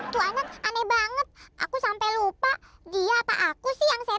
tuh anak aneh banget aku sampe lupa dia apa aku sih yang setan